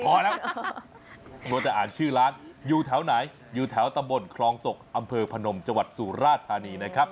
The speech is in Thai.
พอแล้วมัวแต่อ่านชื่อร้านอยู่แถวไหนอยู่แถวตำบลคลองศกอำเภอพนมจังหวัดสุราธานีนะครับ